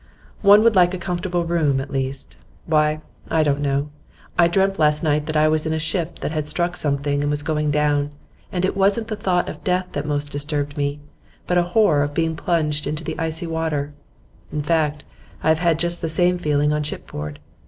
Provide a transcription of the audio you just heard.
'One would like a comfortable room, at least. Why, I don't know. I dreamt last night that I was in a ship that had struck something and was going down; and it wasn't the thought of death that most disturbed me, but a horror of being plunged in the icy water. In fact, I have had just the same feeling on shipboard.